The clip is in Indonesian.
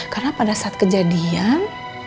karena pada saat kejadian